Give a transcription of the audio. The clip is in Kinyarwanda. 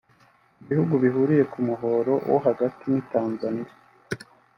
Ibihugu bihuriye ku muhora wo hagati ni Tanzania